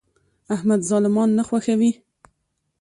احمد ظالمان نه خوښوي.